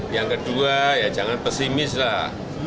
yang kedua ya jangan pesimis lah